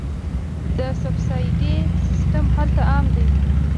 د سبسایډي سیستم هلته عام دی.